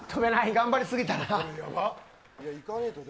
頑張りすぎたか。